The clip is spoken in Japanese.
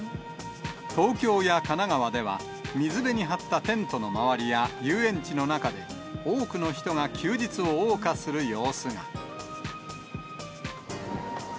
東京や神奈川では、水辺に張ったテントの周りや遊園地の中で、多くの人が休日を謳歌する様子が。